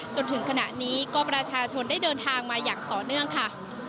จนถึงขณะนี้ก็ประชาชนได้เดินทางมาอย่างต่อเนื่องค่ะ